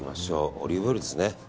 オリーブオイルですね。